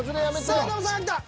さあノブさん来た。